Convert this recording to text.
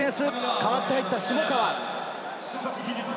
代わって入った下川。